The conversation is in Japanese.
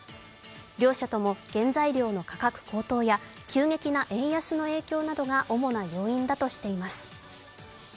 両社とも原材料の価格高騰や急激な円安の影響などが主な要因だとしています。